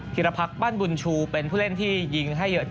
ธิรพรรคบ้านบุญชูเป็นผู้เล่นที่ยิงให้เยอะ